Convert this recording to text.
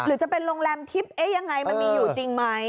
หรือจะเป็นโรงแรมทิพย์ยังไงมันมีอยู่จริงไหม